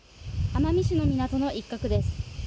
奄美市の港の一角です。